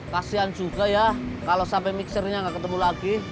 kasian juga ya kalau sampai mixernya nggak ketemu lagi